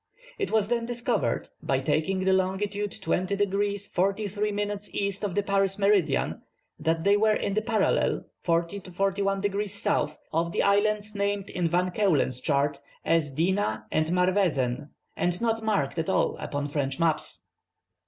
It was then discovered, by taking the longitude 20 degrees 43 minutes east of the Paris meridian, that they were in the parallel (40 degrees to 41 degrees south) of the islands named in Van Keulen's chart as Dina and Marvezen, and not marked at all upon French maps.